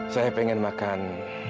saya pengen makan